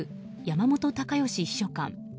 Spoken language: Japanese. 山本高義秘書官。